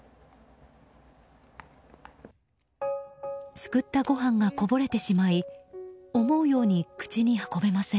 すくったご飯がこぼれてしまい思うように口に運べません。